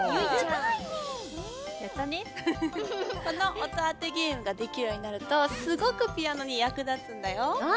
この音あてゲームができるようになるとすごくピアノにやくだつんだよ。